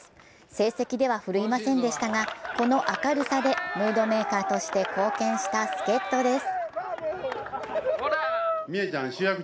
成績では奮いませんでしたが、この明るさでムードメーカーとして貢献した助っとです。